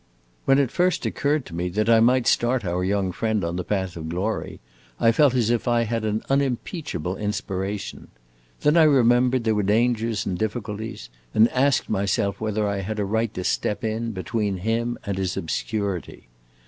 When it first occurred to me that I might start our young friend on the path of glory, I felt as if I had an unimpeachable inspiration. Then I remembered there were dangers and difficulties, and asked myself whether I had a right to step in between him and his obscurity.